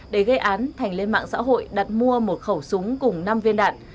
để gây án thành lên mạng xã hội đặt mua một khẩu súng cùng năm viên đạn